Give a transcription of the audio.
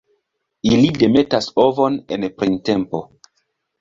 Ili demetas ovon en printempo.